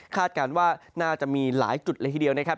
การว่าน่าจะมีหลายจุดเลยทีเดียวนะครับ